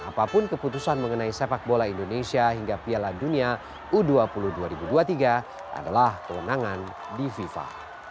apapun keputusan mengenai sepak bola indonesia hingga piala dunia u dua puluh dua ribu dua puluh tiga adalah kewenangan di fifa